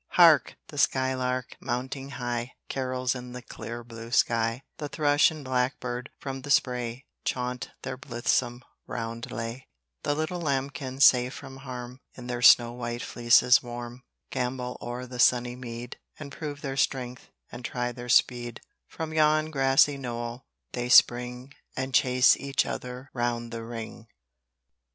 Hark! the sky lark, mounting high, Carols in the clear blue sky; The thrush and blackbird from the spray, Chaunt their blithesome roundelay; The little lambkins, safe from harm, In their snow white fleeces warm, Gambol o'er the sunny mead, And prove their strength, and try their speed: From yon grassy knoll they spring, And chase each other round the ring.